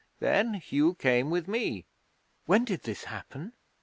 Then Hugh came with me.' 'When did this happen?'